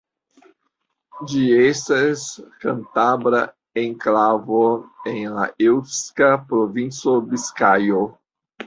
Ĝi estas kantabra enklavo en la eŭska provinco Biskajo.